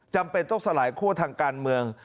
จำเป็นต้องสลายคั่วทางการเมือง